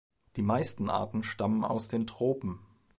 Die meisten Arten stammen aus den Tropen.